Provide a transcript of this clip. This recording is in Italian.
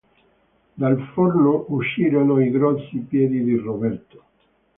Dal forno uscirono i grossi piedi di Roberto.